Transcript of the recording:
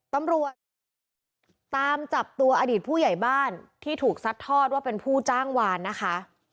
ตำรวจตามจับตัวอดีตผู้ใหญ่บ้านที่ถูกซัดทอดว่าเป็นผู้จ้างวานนะคะ